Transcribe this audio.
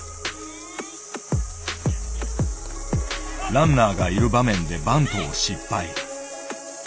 ランナーがいる場面でバントを失敗。